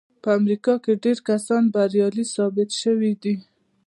په امريکا کې ډېر کسان بريالي ثابت شوي دي.